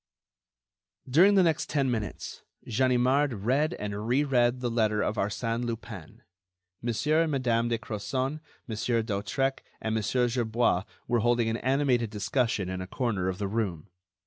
During the next ten minutes, Ganimard read and re read the letter of Arsène Lupin. Monsieur and Madame de Crozon, Monsieur d'Hautrec and Monsieur Gerbois were holding an animated discussion in a corner of the room.